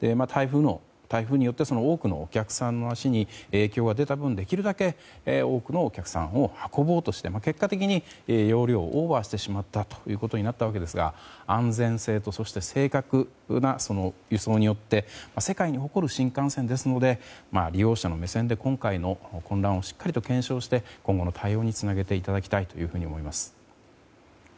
台風によって多くのお客さんの足に影響が出た分できるだけ多くのお客さんを運ぼうとして、結果的に容量をオーバーしてしまったことになったわけですが、安全性とそして正確な輸送によって世界に誇る新幹線ですので利用者の目線で今回の混乱をしっかりと検証して今後の対応につなげていただきたいと思います。